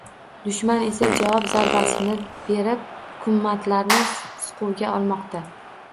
Dushman esa javob zarbasini berib, hukumatlarni siquvga olmoqda